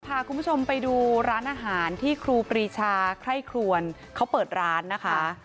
พาคุณผู้ชมไปดูร้านอาหารที่ครูปรีชาไคร่ครวนเขาเปิดร้านนะคะ